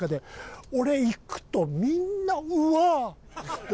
俺行くとみんな「うわっ！」っつって。